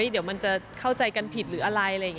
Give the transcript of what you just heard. เดี๋ยวมันจะเข้าใจกันผิดหรืออะไร